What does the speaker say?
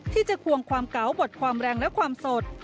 ควงความเก๋าบทความแรงและความสด